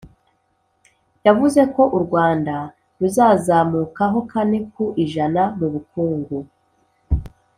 yavuze ko u Rwanda ruzazamukaho kane ku ijana mubukungu